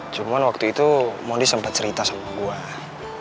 cuman waktu itu mon ini sempet cerita sama gue